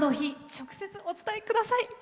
直接、お伝えください。